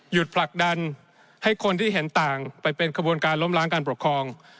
ผลักดันให้คนที่เห็นต่างไปเป็นขบวนการล้มล้างการปกครอง